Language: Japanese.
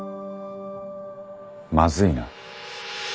まずいな。